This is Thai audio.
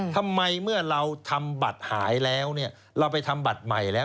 ทำไมเมื่อเราทำบัตรหายแล้วเนี่ยเราไปทำบัตรใหม่แล้ว